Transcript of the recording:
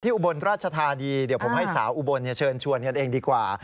อุบลราชธานีเดี๋ยวผมให้สาวอุบลเชิญชวนกันเองดีกว่า